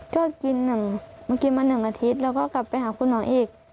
ก็กินมันกินมา๑อาทิตย์แล้วก็กลับไปหาคุณหมออีก